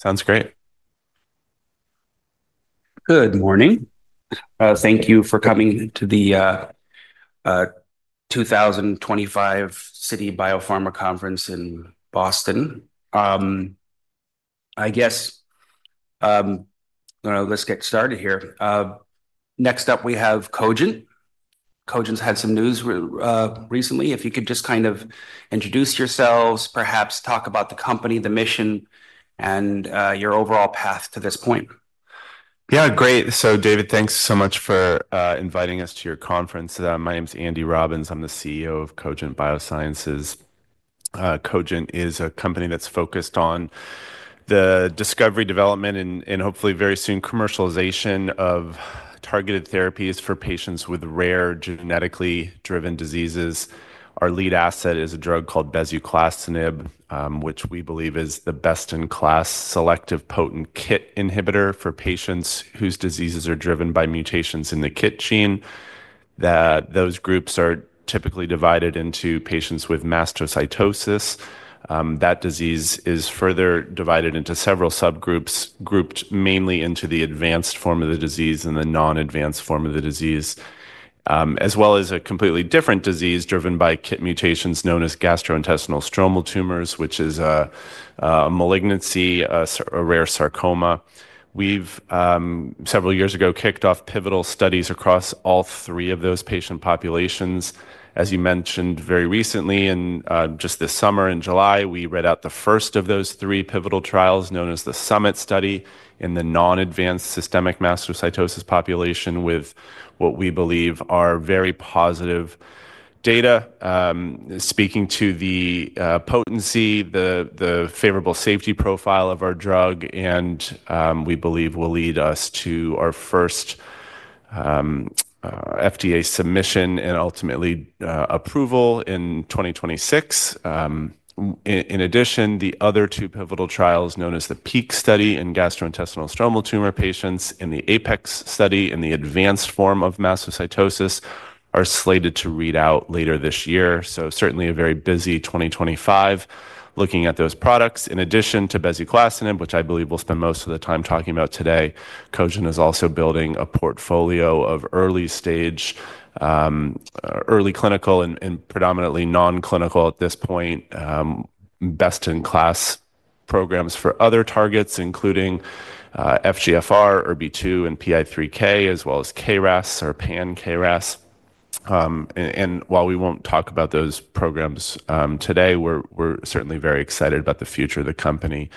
Sounds great. Good morning. Thank you for coming to the 2025 Citi Biopharma Conference in Boston. I guess let's get started here. Next up we have Cogent. Cogent's had some news recently. If you could just kind of introduce yourselves, perhaps talk about the company, the mission, and your overall path to this point. Yeah, great. David, thanks so much for inviting us to your conference. My name's Andrew Robbins. I'm the CEO of Cogent Biosciences. Cogent is a company that's focused on the discovery, development, and hopefully very soon commercialization of targeted therapies for patients with rare genetically driven diseases. Our lead asset is a drug called bezuclastinib, which we believe is the best-in-class selective potent KIT inhibitor for patients whose diseases are driven by mutations in the KIT gene. Those groups are typically divided into patients with mastocytosis. That disease is further divided into several subgroups, grouped mainly into the advanced form of the disease and the non-advanced form of the disease, as well as a completely different disease driven by KIT mutations known as gastrointestinal stromal tumors, which is a malignancy, a rare sarcoma. Several years ago, we kicked off pivotal studies across all three of those patient populations. As you mentioned, very recently, just this summer in July, we read out the first of those three pivotal trials known as the SUMMIT study in the non-advanced systemic mastocytosis population with what we believe are very positive data, speaking to the potency, the favorable safety profile of our drug, and we believe will lead us to our first FDA submission and ultimately, approval in 2026. In addition, the other two pivotal trials known as the PEAK study in gastrointestinal stromal tumor patients and the APEX study in the advanced form of mastocytosis are slated to read out later this year. Certainly a very busy 2025 looking at those products. In addition to bezuclastinib, which I believe we'll spend most of the time talking about today, Cogent is also building a portfolio of early stage, early clinical and predominantly non-clinical at this point, best-in-class programs for other targets, including FGFR, ERB2, and PI3K, as well as KRAS or PAN-KRAS. While we won't talk about those programs today, we're certainly very excited about the future of the company,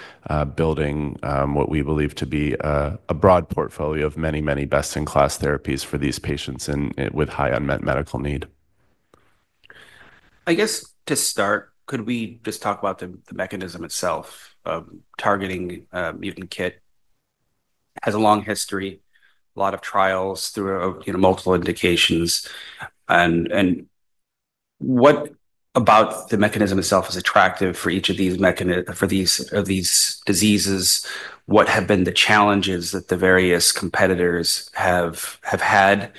building what we believe to be a broad portfolio of many, many best-in-class therapies for these patients with high unmet medical need. I guess to start, could we just talk about the mechanism itself? Targeting even KIT has a long history, a lot of trials through multiple indications. What about the mechanism itself is attractive for each of these diseases? What have been the challenges that the various competitors have had?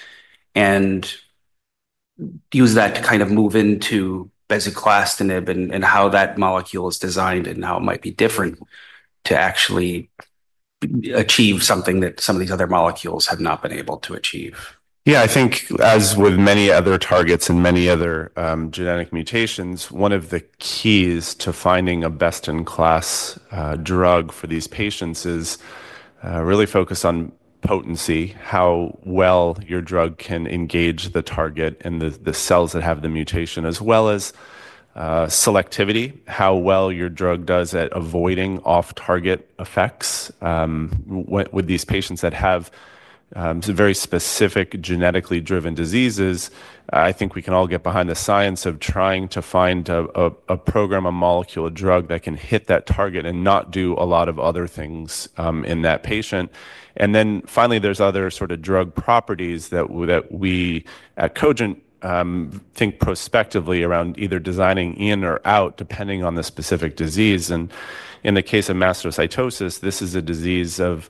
Use that to kind of move into bezuclastinib and how that molecule is designed and how it might be different to actually achieve something that some of these other molecules have not been able to achieve. Yeah, I think as with many other targets and many other genetic mutations, one of the keys to finding a best-in-class drug for these patients is really focused on potency, how well your drug can engage the target and the cells that have the mutation, as well as selectivity, how well your drug does at avoiding off-target effects. With these patients that have very specific genetically driven diseases, I think we can all get behind the science of trying to find a program, a molecule, a drug that can hit that target and not do a lot of other things in that patient. There are other sort of drug properties that we at Cogent Biosciences think prospectively around either designing in or out depending on the specific disease. In the case of mastocytosis, this is a disease of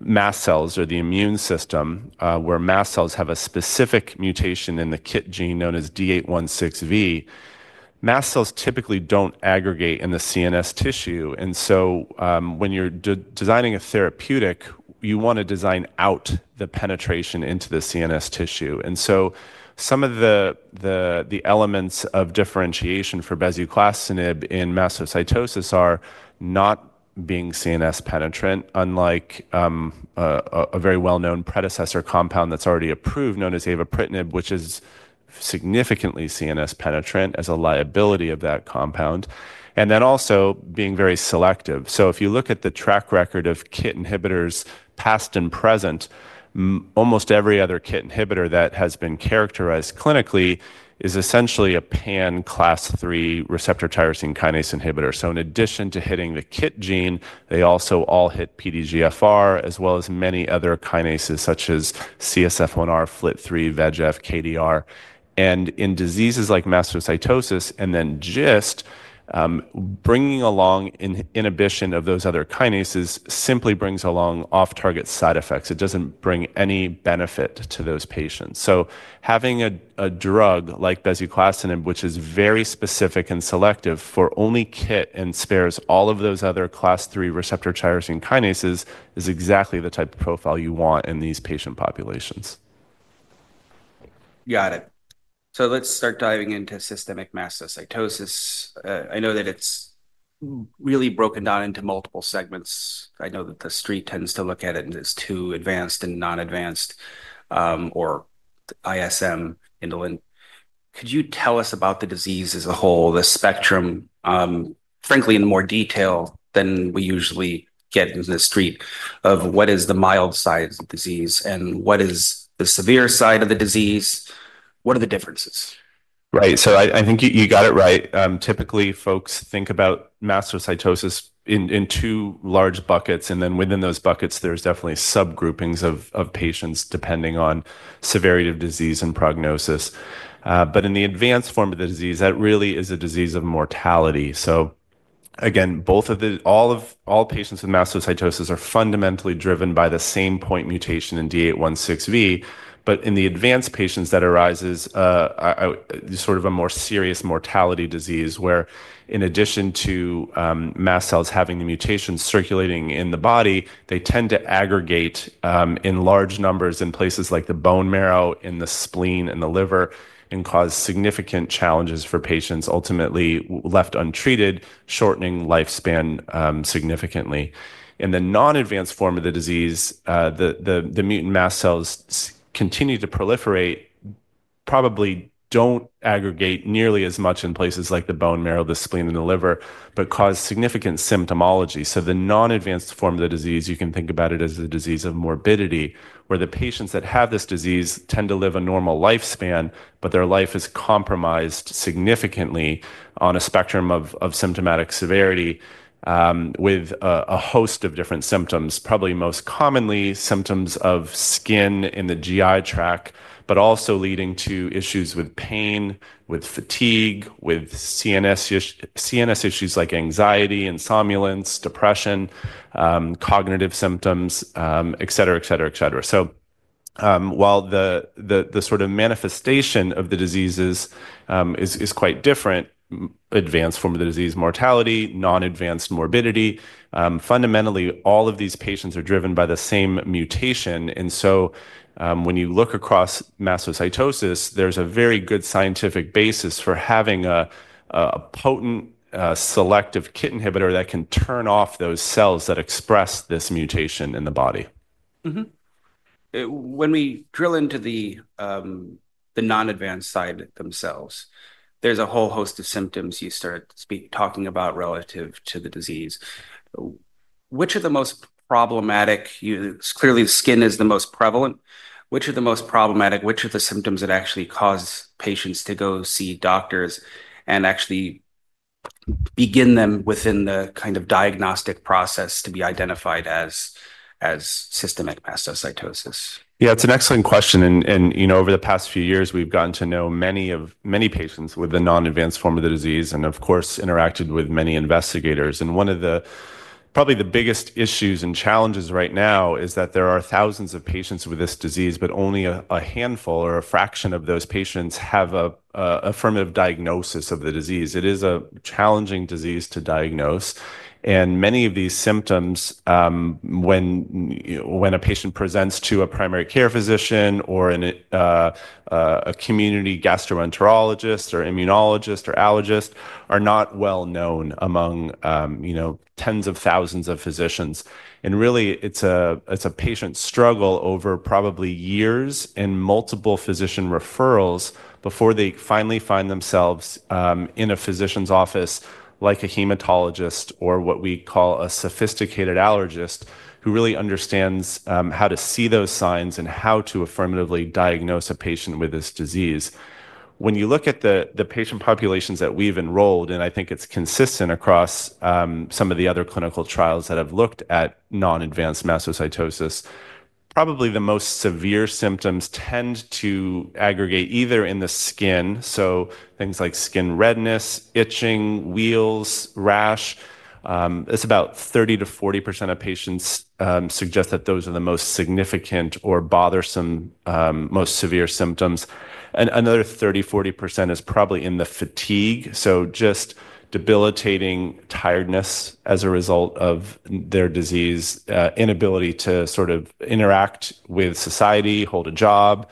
mast cells or the immune system where mast cells have a specific mutation in the KIT gene known as D816V. Mast cells typically don't aggregate in the central nervous system tissue. When you're designing a therapeutic, you want to design out the penetration into the central nervous system tissue. Some of the elements of differentiation for bezuclastinib in mastocytosis are not being central nervous system penetrant, unlike a very well-known predecessor compound that's already approved known as avapritinib, which is significantly central nervous system penetrant as a liability of that compound, and also being very selective. If you look at the track record of KIT inhibitors past and present, almost every other KIT inhibitor that has been characterized clinically is essentially a Pan-Class III receptor tyrosine kinase inhibitor. In addition to hitting the KIT gene, they also all hit PDGFR as well as many other kinases such as CSF1R, FLT3, VEGF, KDR. In diseases like mastocytosis and then GIST , bringing along inhibition of those other kinases simply brings along off-target side effects. It doesn't bring any benefit to those patients. Having a drug like bezuclastinib, which is very specific and selective for only KIT and spares all of those other class III receptor tyrosine kinases, is exactly the type of profile you want in these patient populations. Got it. Let's start diving into systemic mastocytosis. I know that it's really broken down into multiple segments. I know that the street tends to look at it as two, advanced and non-advanced, or ISM, indolent. Could you tell us about the disease as a whole, the spectrum, frankly in more detail than we usually get in the street of what is the mild side of the disease and what is the severe side of the disease? What are the differences? Right. I think you got it right. Typically, folks think about mastocytosis in two large buckets, and then within those buckets, there's definitely subgroupings of patients depending on severity of disease and prognosis. In the advanced form of the disease, that really is a disease of mortality. All patients with mastocytosis are fundamentally driven by the same point mutation in D816V. In the advanced patients that arise, it's sort of a more serious mortality disease where, in addition to mast cells having the mutations circulating in the body, they tend to aggregate in large numbers in places like the bone marrow, the spleen, the liver, and cause significant challenges for patients. Ultimately, left untreated, shortening lifespan significantly. In the non-advanced form of the disease, the mutant mast cells continue to proliferate, probably don't aggregate nearly as much in places like the bone marrow, the spleen, and the liver, but cause significant symptomology. The non-advanced form of the disease, you can think about it as a disease of morbidity where the patients that have this disease tend to live a normal lifespan, but their life is compromised significantly on a spectrum of symptomatic severity, with a host of different symptoms, probably most commonly symptoms of skin and the GI tract, but also leading to issues with pain, with fatigue, with CNS issues like anxiety, insomnolence, depression, cognitive symptoms, et cetera. While the sort of manifestation of the diseases is quite different—advanced form of the disease, mortality; non-advanced, morbidity—fundamentally all of these patients are driven by the same mutation. When you look across mastocytosis, there's a very good scientific basis for having a potent, selective KIT inhibitor that can turn off those cells that express this mutation in the body. When we drill into the non-advanced side themselves, there's a whole host of symptoms you start talking about relative to the disease. Which are the most problematic? Clearly, skin is the most prevalent. Which are the most problematic? Which are the symptoms that actually cause patients to go see doctors and actually begin them within the kind of diagnostic process to be identified as systemic mastocytosis? Yeah, it's an excellent question. Over the past few years, we've gotten to know many patients with the non-advanced form of the disease and, of course, interacted with many investigators. One of the probably the biggest issues and challenges right now is that there are thousands of patients with this disease, but only a handful or a fraction of those patients have an affirmative diagnosis of the disease. It is a challenging disease to diagnose. Many of these symptoms, when a patient presents to a primary care physician or a community gastroenterologist or immunologist or allergist, are not well known among tens of thousands of physicians. It's a patient struggle over probably years and multiple physician referrals before they finally find themselves in a physician's office like a hematologist or what we call a sophisticated allergist who really understands how to see those signs and how to affirmatively diagnose a patient with this disease. When you look at the patient populations that we've enrolled, and I think it's consistent across some of the other clinical trials that have looked at non-advanced systemic mastocytosis, probably the most severe symptoms tend to aggregate either in the skin, so things like skin redness, itching, wheals, rash. It's about 30%- 40% of patients who suggest that those are the most significant or bothersome, most severe symptoms. Another 30%- 40% is probably in the fatigue, so just debilitating tiredness as a result of their disease, inability to sort of interact with society, hold a job,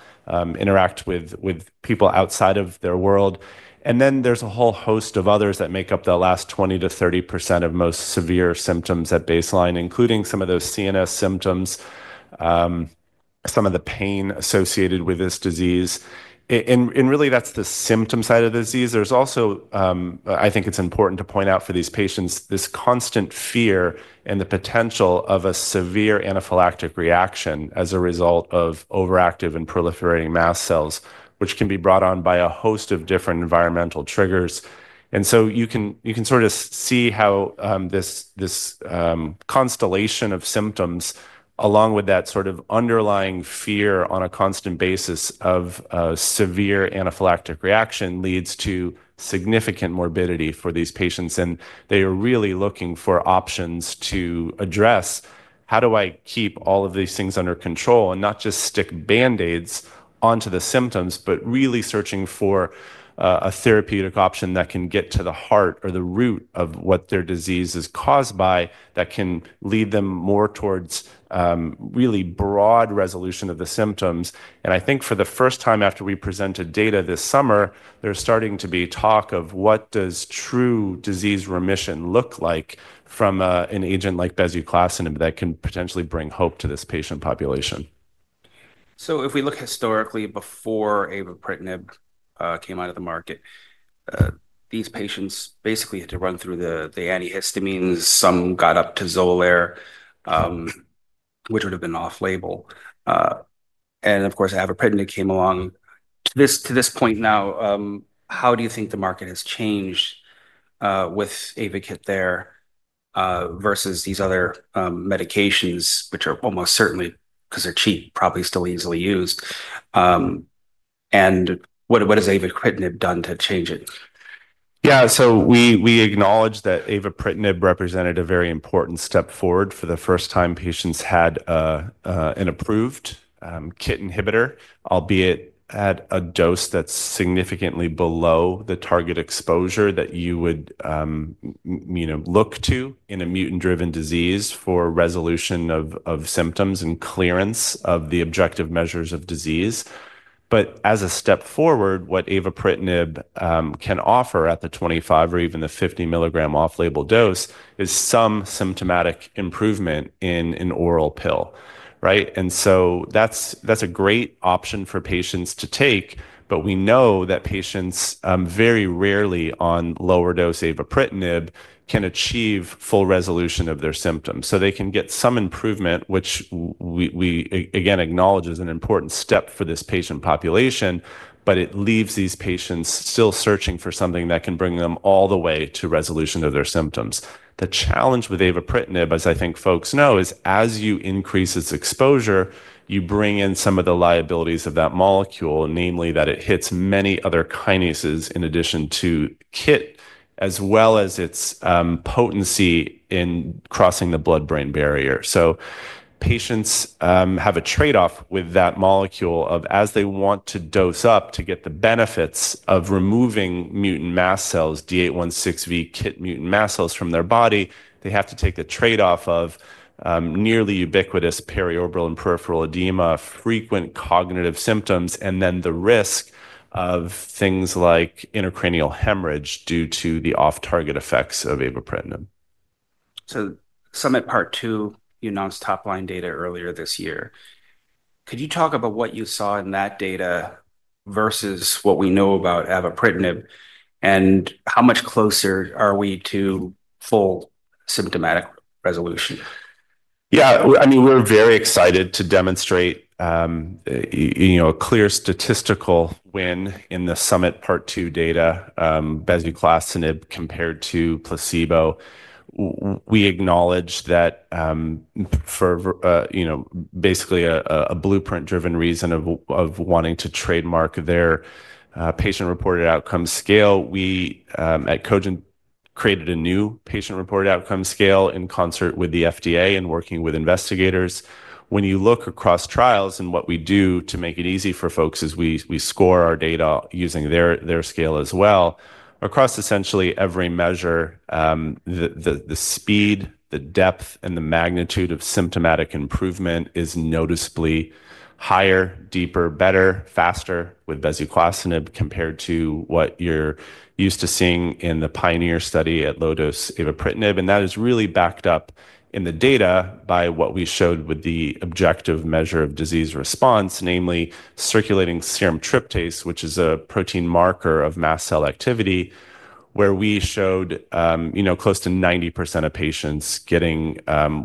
interact with people outside of their world. Then there's a whole host of others that make up the last 20%- 30% of most severe symptoms at baseline, including some of those central nervous system symptoms, some of the pain associated with this disease. That's the symptom side of the disease. I think it's important to point out for these patients this constant fear and the potential of a severe anaphylactic reaction as a result of overactive and proliferating mast cells, which can be brought on by a host of different environmental triggers. You can sort of see how this constellation of symptoms, along with that underlying fear on a constant basis of a severe anaphylactic reaction, leads to significant morbidity for these patients. They are really looking for options to address how do I keep all of these things under control and not just stick Band-Aids onto the symptoms, but really searching for a therapeutic option that can get to the heart or the root of what their disease is caused by, that can lead them more towards really broad resolution of the symptoms. I think for the first time after we presented data this summer, there's starting to be talk of what does true disease remission look like from an agent like bezuclastinib that can potentially bring hope to this patient population. If we look historically before avapritinib came out on the market, these patients basically had to run through the antihistamines, some got up to XOLAIR, which would have been off-label. Of course, avapritinib came along. To this point now, how do you think the market has changed with AYVAKIT there versus these other medications, which are almost certainly, because they're cheap, probably still easily used? What has AYVAKIT done to change it? Yeah, so we acknowledge that avapritinib represented a very important step forward. For the first time, patients had an approved KIT inhibitor, albeit at a dose that's significantly below the target exposure that you would look to in a mutant-driven disease for resolution of symptoms and clearance of the objective measures of disease. As a step forward, what avapritinib can offer at the 25 mg or even the 50 mg off-label dose is some symptomatic improvement in an oral pill, right? That's a great option for patients to take, but we know that patients very rarely on lower dose avapritinib can achieve full resolution of their symptoms. They can get some improvement, which we again acknowledge is an important step for this patient population, but it leaves these patients still searching for something that can bring them all the way to resolution of their symptoms. The challenge with avapritinib, as I think folks know, is as you increase its exposure, you bring in some of the liabilities of that molecule, namely that it hits many other kinases in addition to KIT, as well as its potency in crossing the blood-brain barrier. Patients have a trade-off with that molecule of as they want to dose up to get the benefits of removing mutant mast cells, D816V KIT mutant mast cells from their body, they have to take the trade-off of nearly ubiquitous periorbital and peripheral edema, frequent cognitive symptoms, and then the risk of things like intracranial hemorrhage due to the off-target effects of avapritinib. SUMMIT Part II, you announced top-line data earlier this year. Could you talk about what you saw in that data versus what we know about avapritinib, and how much closer are we to full symptomatic resolution? Yeah, I mean, we're very excited to demonstrate a clear statistical win in the SUMMIT Part II data, bezuclastinib compared to placebo. We acknowledge that for basically a Blueprint Medicines-driven reason of wanting to trademark their patient-reported outcome scale, we at Cogent Biosciences created a new patient-reported outcome scale in concert with the FDA and working with investigators. When you look across trials, what we do to make it easy for folks is we score our data using their scale as well. Across essentially every measure, the speed, the depth, and the magnitude of symptomatic improvement is noticeably higher, deeper, better, faster with bezuclastinib compared to what you're used to seeing in the PIONEER study at low-dose avapritinib. That is really backed up in the data by what we showed with the objective measure of disease response, namely circulating serum tryptase, which is a protein marker of mast cell activity, where we showed close to 90% of patients getting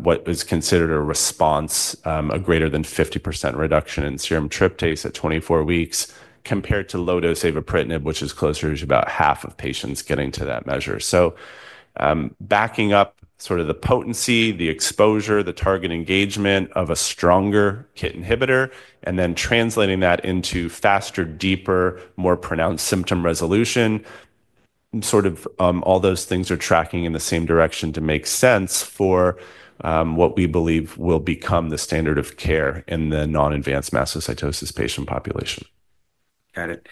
what is considered a response, a greater than 50% reduction in serum tryptase at 24 weeks compared to low-dose avapritinib, which is closer to about half of patients getting to that measure. Backing up the potency, the exposure, the target engagement of a stronger KIT inhibitor, and then translating that into faster, deeper, more pronounced symptom resolution, all those things are tracking in the same direction to make sense for what we believe will become the standard of care in the non-advanced mastocytosis patient population. Got it.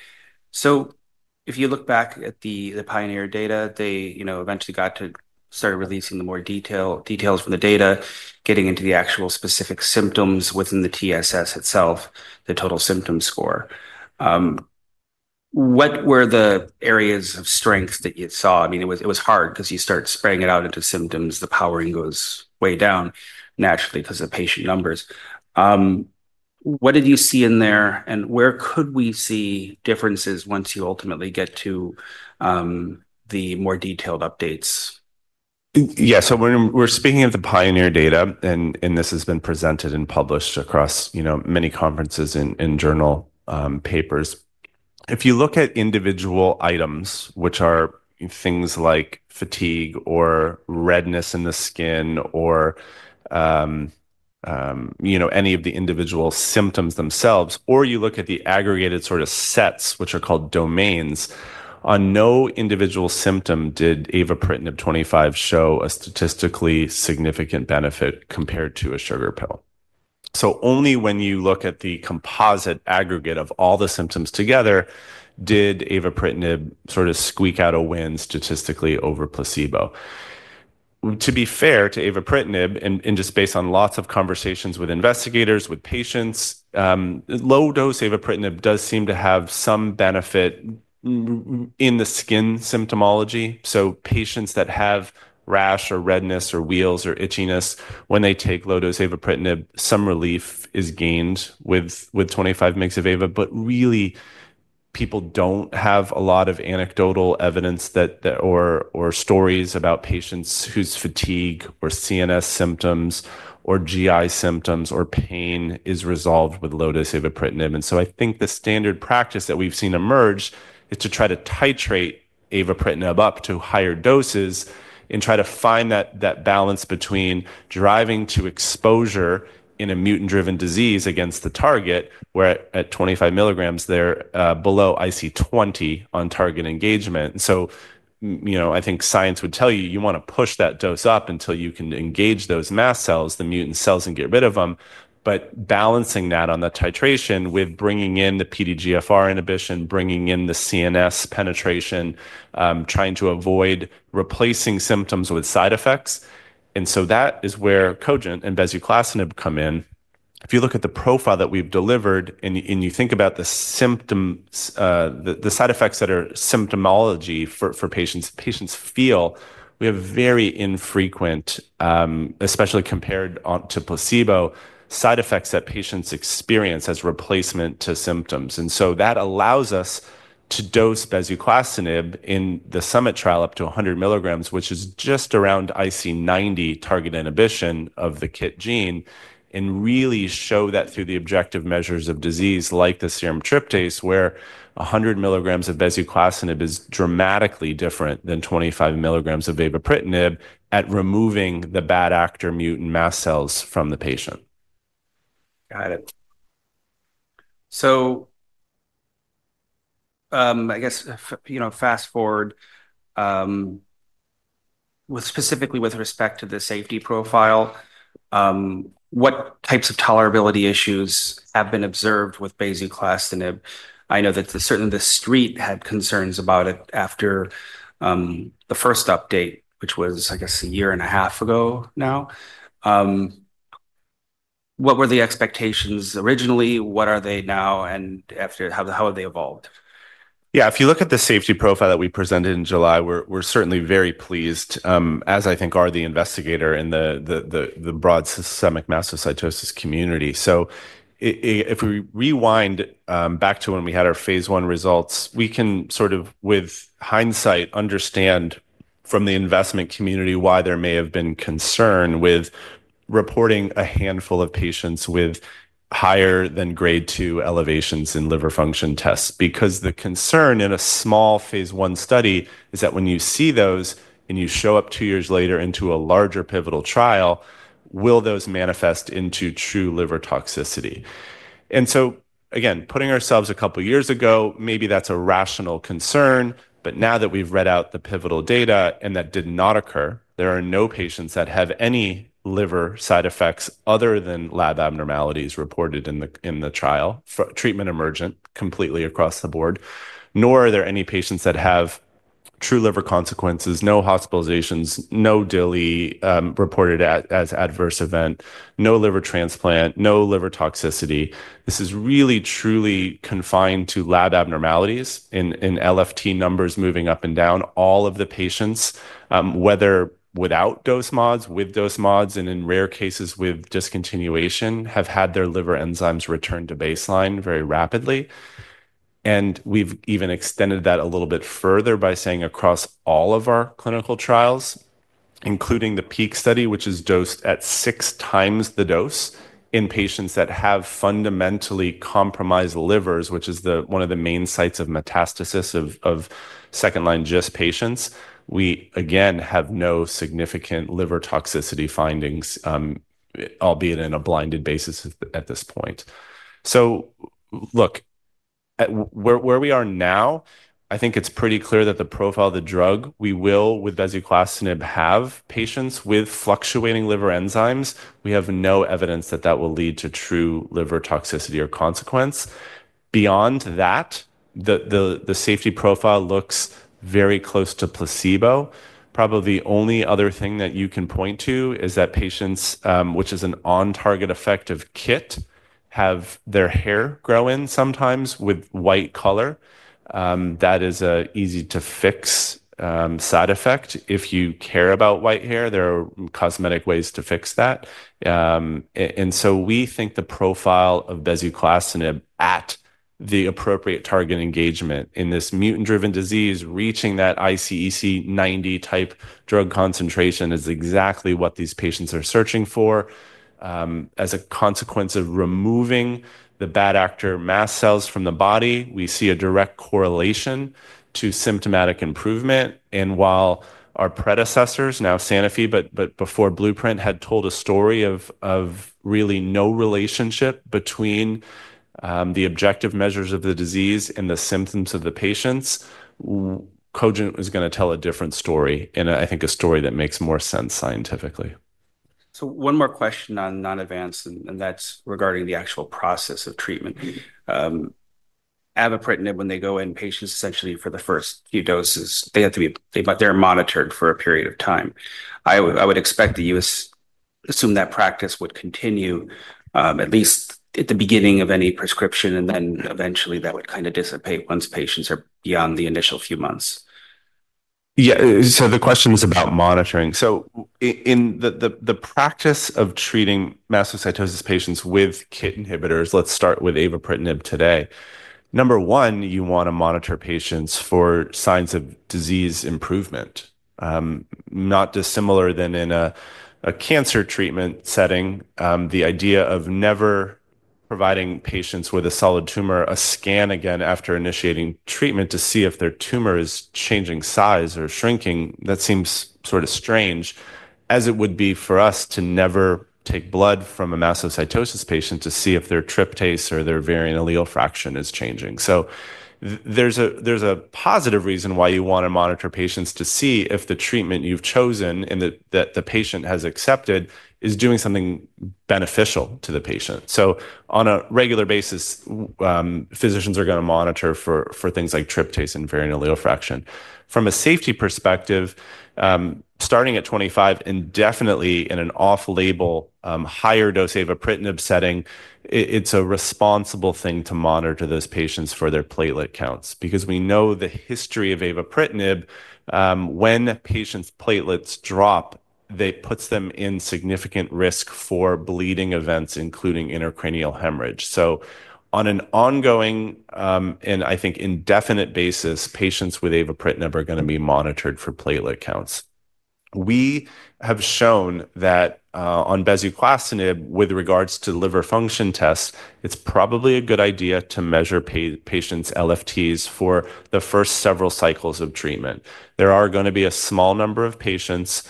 If you look back at the pioneer data, they eventually got to start releasing more details from the data, getting into the actual specific symptoms within the TSS itself, the total symptom score. What were the areas of strength that you saw? It was hard because you start spreading it out into symptoms, the powering goes way down naturally because of patient numbers. What did you see in there and where could we see differences once you ultimately get to the more detailed updates? Yeah, so we're speaking of the PIONEER data and this has been presented and published across many conferences and journal papers. If you look at individual items, which are things like fatigue or redness in the skin or any of the individual symptoms themselves, or you look at the aggregated sort of sets, which are called domains, on no individual symptom did avapritinib 25 mg show a statistically significant benefit compared to a sugar pill. Only when you look at the composite aggregate of all the symptoms together did avapritinib sort of squeak out a win statistically over placebo. To be fair to avapritinib, and just based on lots of conversations with investigators, with patients, low-dose avapritinib does seem to have some benefit in the skin symptomology. Patients that have rash or redness or wheals or itchiness, when they take low-dose avapritinib, some relief is gained with 25 mg of avapritinib, but really people don't have a lot of anecdotal evidence or stories about patients whose fatigue or CNS symptoms or GI symptoms or pain is resolved with low-dose avapritinib. I think the standard practice that we've seen emerge is to try to titrate avapritinib up to higher doses and try to find that balance between driving to exposure in a mutant-driven disease against the target, where at 25 mg they're below IC20 on target engagement. I think science would tell you you want to push that dose up until you can engage those mast cells, the mutant cells, and get rid of them. Balancing that on the titration with bringing in the PDGFR inhibition, bringing in the central nervous system penetration, trying to avoid replacing symptoms with side effects. That is where Cogent and bezuclastinib come in. If you look at the profile that we've delivered and you think about the side effects that are symptomology for patients, patients feel we have very infrequent, especially compared to placebo, side effects that patients experience as replacement to symptoms. That allows us to dose bezuclastinib in the SUMMIT trial up to 100 mg, which is just around IC90 target inhibition of the KIT gene, and really show that through the objective measures of disease like the serum tryptase, where 100 mg of bezuclastinib is dramatically different than 25 mg of avapritinib at removing the bad actor mutant mast cells from the patient. Got it. I guess, you know, fast forward, specifically with respect to the safety profile, what types of tolerability issues have been observed with bezuclastinib? I know that certainly the street had concerns about it after the first update, which was, I guess, a year and a half ago now. What were the expectations originally? What are they now? How have they evolved? Yeah, if you look at the safety profile that we presented in July, we're certainly very pleased, as I think are the investigator and the broad systemic mastocytosis community. If we rewind back to when we had our phase one results, we can sort of, with hindsight, understand from the investment community why there may have been concern with reporting a handful of patients with higher than grade two elevations in liver function tests. The concern in a small phase one study is that when you see those and you show up two years later into a larger pivotal trial, will those manifest into true liver toxicity? Putting ourselves a couple of years ago, maybe that's a rational concern, but now that we've read out the pivotal data and that did not occur, there are no patients that have any liver side effects other than lab abnormalities reported in the trial, treatment emergent completely across the board, nor are there any patients that have true liver consequences, no hospitalizations, no DILI reported as adverse event, no liver transplant, no liver toxicity. This is really truly confined to lab abnormalities in LFT numbers moving up and down. All of the patients, whether without dose mods, with dose mods, and in rare cases with discontinuation, have had their liver enzymes return to baseline very rapidly. We've even extended that a little bit further by saying across all of our clinical trials, including the PEAK study, which is dosed at six times the dose in patients that have fundamentally compromised livers, which is one of the main sites of metastasis of second-line GIST patients, we again have no significant liver toxicity findings, albeit in a blinded basis at this point. Where we are now, I think it's pretty clear that the profile of the drug, we will with bezuclastinib have patients with fluctuating liver enzymes. We have no evidence that that will lead to true liver toxicity or consequence. Beyond that, the safety profile looks very close to placebo. Probably the only other thing that you can point to is that patients, which is an on-target effect of KIT, have their hair grow in sometimes with white color. That is an easy-to-fix side effect. If you care about white hair, there are cosmetic ways to fix that. We think the profile of bezuclastinib at the appropriate target engagement in this mutant-driven disease, reaching that ICEC 90 type drug concentration is exactly what these patients are searching for. As a consequence of removing the bad actor mast cells from the body, we see a direct correlation to symptomatic improvement. While our predecessors, now Sanofi, but before Blueprint Medicines, had told a story of really no relationship between the objective measures of the disease and the symptoms of the patients, Cogent Biosciences was going to tell a different story, and I think a story that makes more sense scientifically. One more question on non-advanced, and that's regarding the actual process of treatment. Avapritinib, when they go in, patients essentially for the first few doses, they have to be, but they're monitored for a period of time. I would expect that you assume that practice would continue at least at the beginning of any prescription, and then eventually that would kind of dissipate once patients are beyond the initial few months. Yeah, so the question is about monitoring. In the practice of treating mastocytosis patients with KIT inhibitors, let's start with Avapritinib today. Number one, you want to monitor patients for signs of disease improvement. Not dissimilar than in a cancer treatment setting, the idea of never providing patients with a solid tumor a scan again after initiating treatment to see if their tumor is changing size or shrinking, that seems sort of strange, as it would be for us to never take blood from a mastocytosis patient to see if their tryptase or their variant allele fraction is changing. There's a positive reason why you want to monitor patients to see if the treatment you've chosen and that the patient has accepted is doing something beneficial to the patient. On a regular basis, physicians are going to monitor for things like tryptase and variant allele fraction. From a safety perspective, starting at 25 mg indefinitely in an off-label higher dose Avapritinib setting, it's a responsible thing to monitor those patients for their platelet counts because we know the history of Avapritinib. When a patient's platelets drop, it puts them in significant risk for bleeding events, including intracranial hemorrhage. On an ongoing and I think indefinite basis, patients with Avapritinib are going to be monitored for platelet counts. We have shown that on bezuclastinib with regards to liver function tests, it's probably a good idea to measure patients' LFTs for the first several cycles of treatment. There are going to be a small number of patients,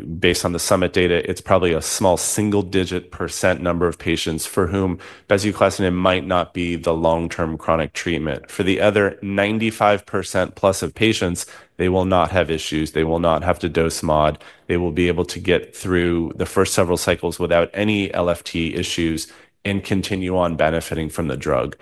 based on the SUMMIT data, it's probably a small single-digit % number of patients for whom bezuclastinib might not be the long-term chronic treatment. For the other 95% plus of patients, they will not have issues. They will not have to dose mod. They will be able to get through the first several cycles without any LFT issues and continue on benefiting from the drug.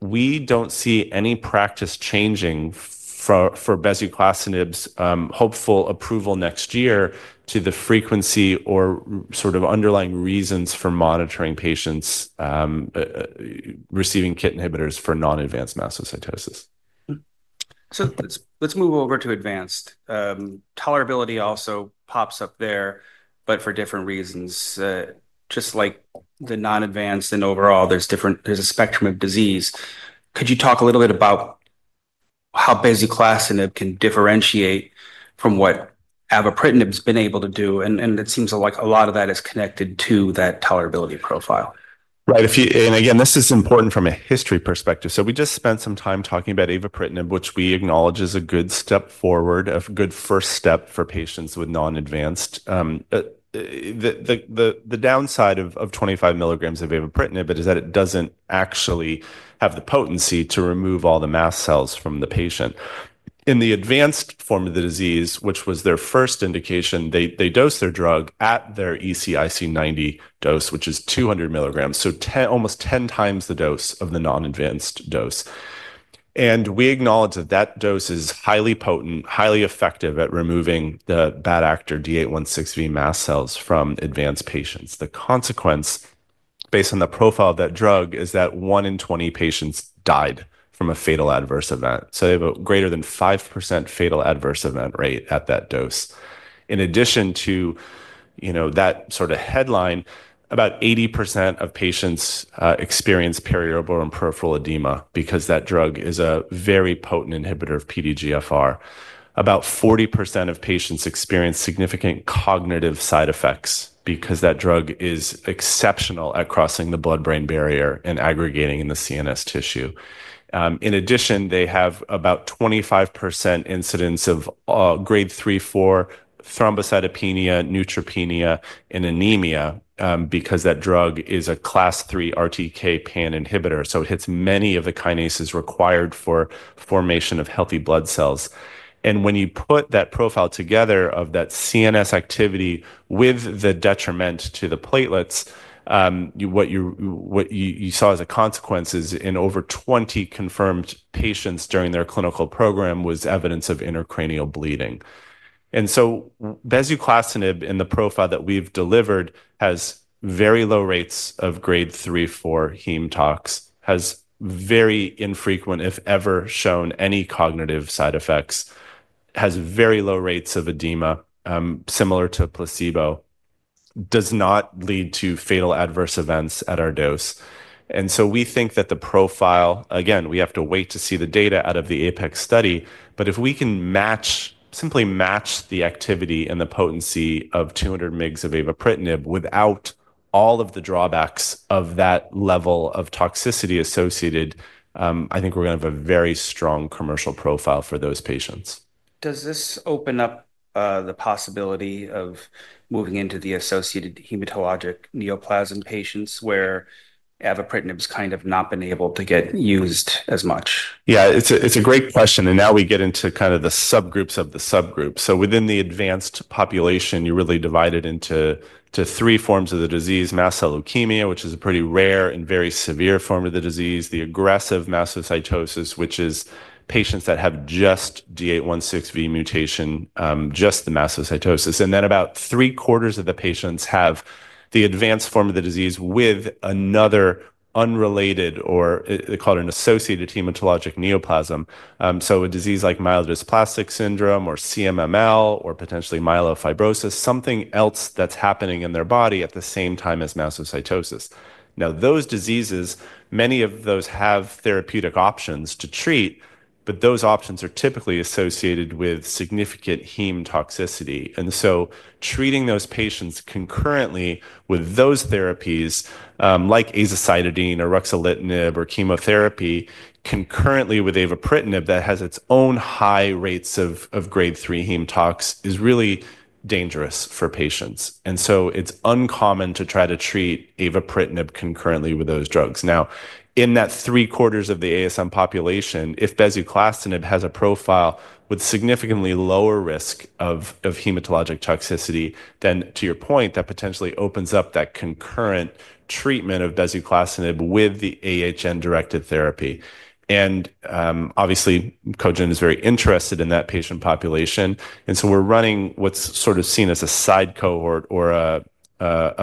We don't see any practice changing for bezuclastinib's hopeful approval next year to the frequency or sort of underlying reasons for monitoring patients receiving KIT inhibitors for non-advanced mastocytosis. Let's move over to advanced. Tolerability also pops up there, but for different reasons, just like the non-advanced and overall there's a spectrum of disease. Could you talk a little bit about how bezuclastinib can differentiate from what avapritinib's been able to do? It seems like a lot of that is connected to that tolerability profile. Right. This is important from a history perspective. We just spent some time talking about avapritinib, which we acknowledge is a good step forward, a good first step for patients with non-advanced. The downside of 25 mg of avapritinib is that it doesn't actually have the potency to remove all the mast cells from the patient. In the advanced form of the disease, which was their first indication, they dose their drug at their ECIC 90 dose, which is 200 mg, almost 10x the dose of the non-advanced dose. We acknowledge that that dose is highly potent, highly effective at removing the bad actor D816V mast cells from advanced patients. The consequence, based on the profile of that drug, is that 1 in 20 patients died from a fatal adverse event. They have a greater than 5% fatal adverse event rate at that dose. In addition to that sort of headline, about 80% of patients experience periorbital and peripheral edema because that drug is a very potent inhibitor of PDGFR. About 40% of patients experience significant cognitive side effects because that drug is exceptional at crossing the blood-brain barrier and aggregating in the CNS tissue. In addition, they have about 25% incidence of Grade III-Grade IV thrombocytopenia, neutropenia, and anemia because that drug is a class III receptor tyrosine kinase pan-inhibitor. It hits many of the kinases required for formation of healthy blood cells. When you put that profile together of that CNS activity with the detriment to the platelets, what you saw as a consequence is in over 20 confirmed patients during their clinical program was evidence of intracranial bleeding. Bezuclastinib, in the profile that we've delivered, has very low rates of Grade III-Grade IV Heme Tox, has very infrequent, if ever, shown any cognitive side effects, has very low rates of edema, similar to a placebo, does not lead to fatal adverse events at our dose. We think that the profile, again, we have to wait to see the data out of the APEX study, but if we can simply match the activity and the potency of 200 mg of avapritinib without all of the drawbacks of that level of toxicity associated, I think we're going to have a very strong commercial profile for those patients. Does this open up the possibility of moving into the associated hematologic neoplasm patients where avapritinib's kind of not been able to get used as much? Yeah, it's a great question. Now we get into kind of the subgroups of the subgroup. Within the advanced population, you really divide it into three forms of the disease: mast cell leukemia, which is a pretty rare and very severe form of the disease; aggressive mastocytosis, which is patients that have just D816V mutation, just the mastocytosis; and then about three quarters of the patients have the advanced form of the disease with another unrelated or they call it an associated hematologic neoplasm. A disease like myelodysplastic syndrome or CMML or potentially myelofibrosis, something else that's happening in their body at the same time as mastocytosis. Now those diseases, many of those have therapeutic options to treat, but those options are typically associated with significant heme toxicity. Treating those patients concurrently with those therapies, like azacitidine or ruxolitinib or chemotherapy, concurrently with avapritinib that has its own high rates of grade III heme tox is really dangerous for patients. It is uncommon to try to treat avapritinib concurrently with those drugs. In that three quarters of the ASM population, if bezuclastinib has a profile with significantly lower risk of hematologic toxicity, then to your point, that potentially opens up that concurrent treatment of bezuclastinib with the AHN-directed therapy. Obviously, Cogent Biosciences is very interested in that patient population. We are running what's sort of seen as a side cohort or a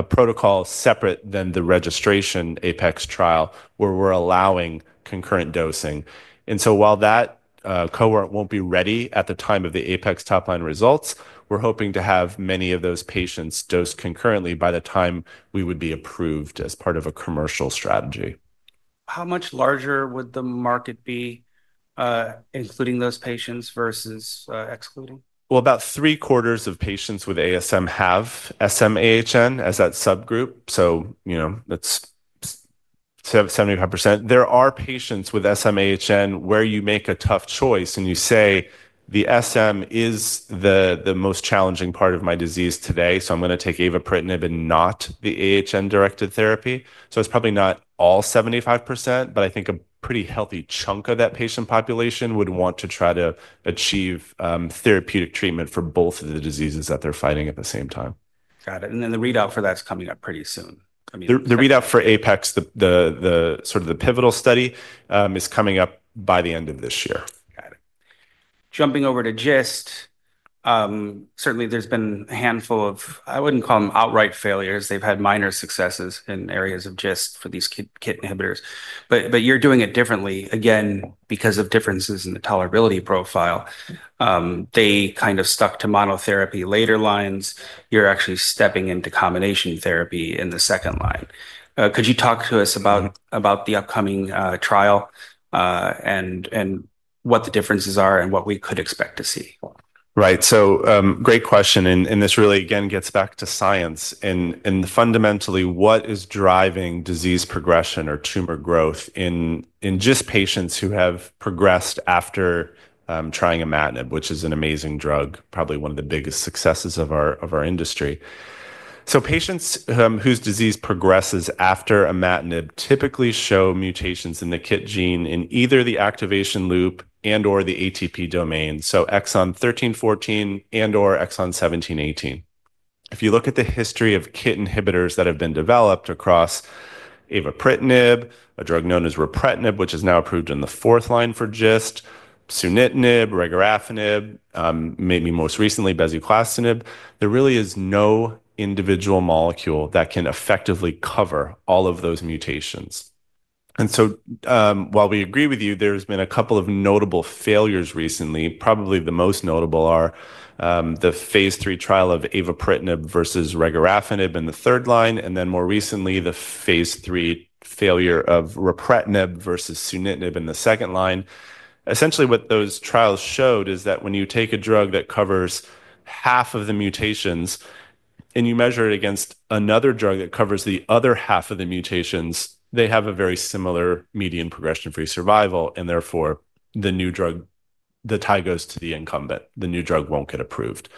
protocol separate than the registration APEX study where we're allowing concurrent dosing. While that cohort won't be ready at the time of the APEX top-line results, we're hoping to have many of those patients dosed concurrently by the time we would be approved as part of a commercial strategy. How much larger would the market be, including those patients versus excluding? About three quarters of patients with ASM have SM AHN as that subgroup. That's 75%. There are patients with SM AHN where you make a tough choice and you say the SM is the most challenging part of my disease today, so I'm going to take avapritinib and not the AHN-directed therapy. It's probably not all 75%, but I think a pretty healthy chunk of that patient population would want to try to achieve therapeutic treatment for both of the diseases that they're fighting at the same time. Got it. The readout for that's coming up pretty soon. The readout for APEX, the sort of the pivotal study, is coming up by the end of this year. Got it. Jumping over to GIST, certainly there's been a handful of, I wouldn't call them outright failures. They've had minor successes in areas of GIST for these KIT inhibitors. You're doing it differently again because of differences in the tolerability profile. They kind of stuck to monotherapy later lines. You're actually stepping into combination therapy in the second line. Could you talk to us about the upcoming trial and what the differences are and what we could expect to see? Right. Great question. This really again gets back to science. Fundamentally, what is driving disease progression or tumor growth in GIST patients who have progressed after trying imatinib, which is an amazing drug, probably one of the biggest successes of our industry? Patients whose disease progresses after imatinib typically show mutations in the KIT gene in either the activation loop and/or the ATP domain, so exon 13, 14 and/or exon 17, 18. If you look at the history of KIT inhibitors that have been developed across avapritinib, a drug known as ripretinib, which is now approved in the fourth line for GIST, sunitinib, regorafenib, maybe most recently bezuclastinib, there really is no individual molecule that can effectively cover all of those mutations. While we agree with you, there's been a couple of notable failures recently, probably the most notable are the Phase 3 Trial of avapritinib versus regorafenib in the third line, and then more recently the Phase 3 failure of ripretinib versus sunitinib in the second line. Essentially, what those trials showed is that when you take a drug that covers half of the mutations and you measure it against another drug that covers the other half of the mutations, they have a very similar median progression-free survival, and therefore the new drug, the tie goes to the incumbent. The new drug won't get approved.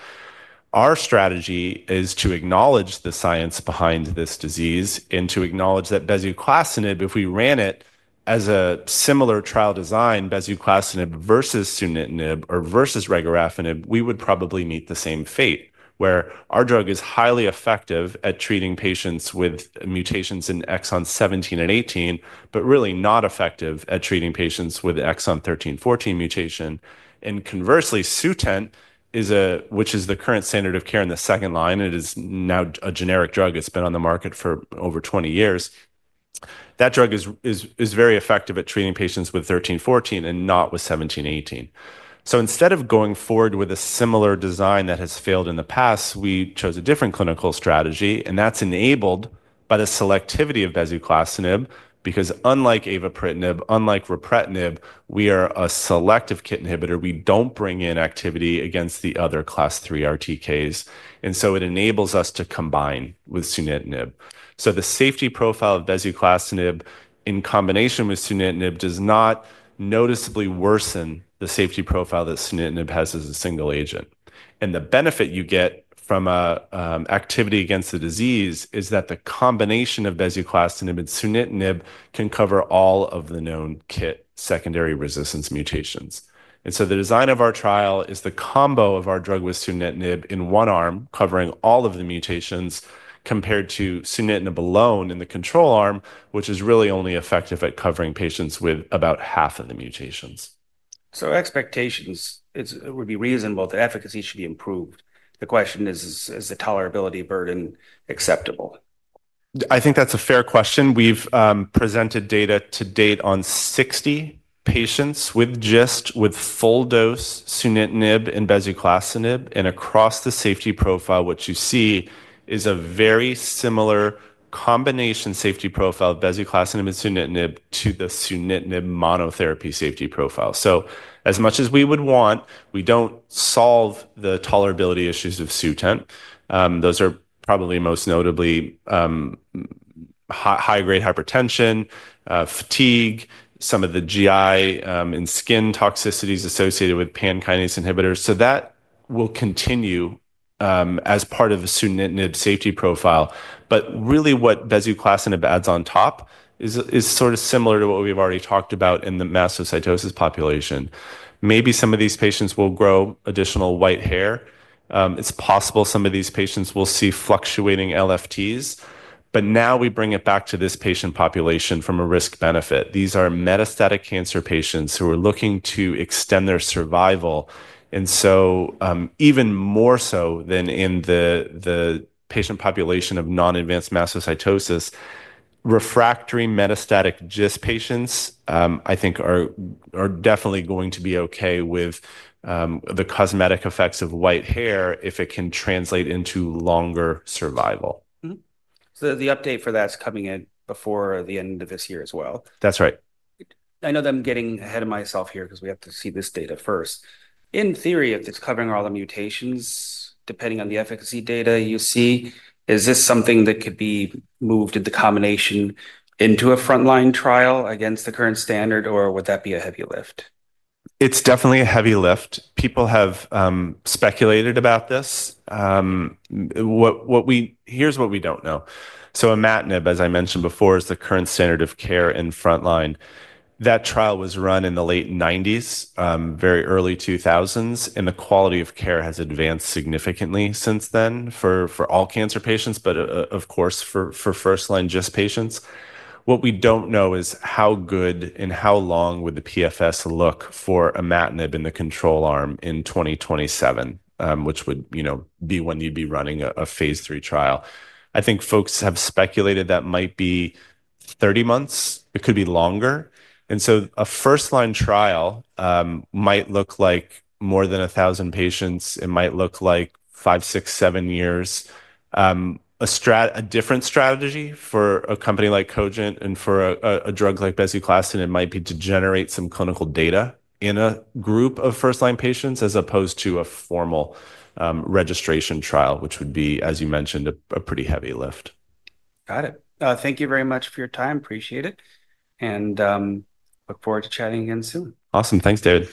Our strategy is to acknowledge the science behind this disease and to acknowledge that bezuclastinib, if we ran it as a similar trial design, bezuclastinib versus sunitinib or versus regorafenib, we would probably meet the same fate, where our drug is highly effective at treating patients with mutations in exon 17 and 18, but really not effective at treating patients with exon 13, 14 mutation. Conversely, sunitinib, which is the current standard of care in the second line, it is now a generic drug. It's been on the market for over 20 years. That drug is very effective at treating patients with 13, 14 and not with 17, 18. Instead of going forward with a similar design that has failed in the past, we chose a different clinical strategy, and that's enabled by the selectivity of bezuclastinib because unlike avapritinib, unlike repretinib, we are a selective KIT inhibitor. We don't bring in activity against the other Class III RTKs. It enables us to combine with sunitinib. The safety profile of bezuclastinib in combination with sunitinib does not noticeably worsen the safety profile that sunitinib has as a single agent. The benefit you get from activity against the disease is that the combination of bezuclastinib and sunitinib can cover all of the known KIT secondary resistance mutations. The design of our trial is the combo of our drug with sunitinib in one arm, covering all of the mutations compared to sunitinib alone in the control arm, which is really only effective at covering patients with about half of the mutations. It would be reasonable that efficacy should be improved. The question is, is the tolerability burden acceptable? I think that's a fair question. We've presented data to date on 60 patients with GIST with full dose sunitinib and bezuclastinib, and across the safety profile, what you see is a very similar combination safety profile of bezuclastinib and sunitinib to the sunitinib monotherapy safety profile. As much as we would want, we don't solve the tolerability issues of sunitinib. Those are probably most notably high-grade hypertension, fatigue, some of the GI and skin toxicities associated with pan kinase inhibitors. That will continue as part of the sunitinib safety profile. What bezuclastinib adds on top is sort of similar to what we've already talked about in the mastocytosis population. Maybe some of these patients will grow additional white hair. It's possible some of these patients will see fluctuating LFTs. Now we bring it back to this patient population from a risk-benefit. These are metastatic cancer patients who are looking to extend their survival. Even more so than in the patient population of non-advanced mastocytosis, refractory metastatic GIST patients I think are definitely going to be okay with the cosmetic effects of white hair if it can translate into longer survival. The update for that's coming in before the end of this year as well. That's right. I know that I'm getting ahead of myself here because we have to see this data first. In theory, if it's covering all the mutations, depending on the efficacy data you see, is this something that could be moved into combination into a frontline trial against the current standard, or would that be a heavy lift? It's definitely a heavy lift. People have speculated about this. Here's what we don't know. Imatinib, as I mentioned before, is the current standard of care in frontline. That trial was run in the late 1990s, very early 2000s, and the quality of care has advanced significantly since then for all cancer patients, but of course for first-line GIST patients. What we don't know is how good and how long would the PFS look for imatinib in the control arm in 2027, which would be when you'd be running a Phase 3 trial. I think folks have speculated that might be 30 months. It could be longer. A first-line trial might look like more than 1,000 patients. It might look like five, six, seven years. A different strategy for a company like Cogent Biosciences and for a drug like bezuclastinib might be to generate some clinical data in a group of first-line patients as opposed to a formal registration trial, which would be, as you mentioned, a pretty heavy lift. Got it. Thank you very much for your time. Appreciate it. I look forward to chatting again soon. Awesome. Thanks, David.